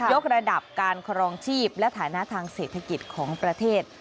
กระดับการครองชีพและฐานะทางเศรษฐกิจของประเทศ